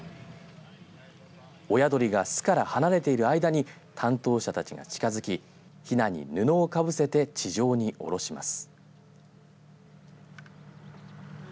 親鳥が巣から離れている間に担当者たちが近づきひなに布をかぶせて地上に降ろします。